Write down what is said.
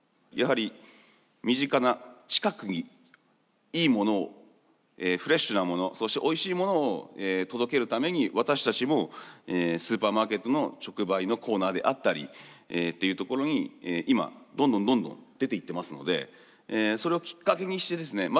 やはり身近な近くにいいものをフレッシュなものそしておいしいものを届けるために私たちもスーパーマーケットの直売のコーナーであったりっていうところに今どんどんどんどん出ていってますのでそれをきっかけにしてですね